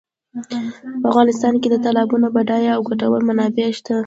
په افغانستان کې د تالابونو بډایه او ګټورې منابع شته.